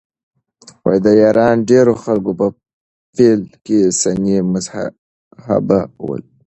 د ایران ډېری خلک په پیل کې سني مذهبه ول.